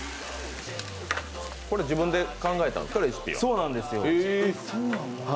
これ、自分で考えたんですか、レシピは。